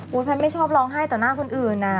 แพทย์ไม่ชอบร้องไห้ต่อหน้าคนอื่นนะ